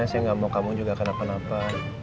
saya nggak mau kamu juga kenapa napa